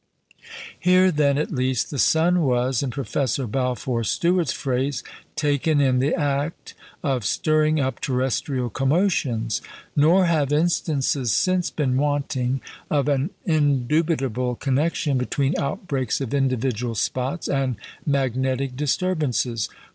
Here then, at least, the sun was in Professor Balfour Stewart's phrase "taken in the act" of stirring up terrestrial commotions. Nor have instances since been wanting of an indubitable connection between outbreaks of individual spots and magnetic disturbances.